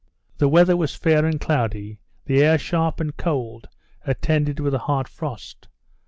The weather was fair and cloudy; the air sharp and cold, attended with a hard frost.